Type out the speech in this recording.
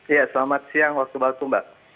iya selamat siang waktu baku mbak